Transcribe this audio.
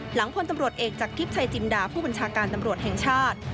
พลตำรวจเอกจากทิพย์ชัยจินดาผู้บัญชาการตำรวจแห่งชาติ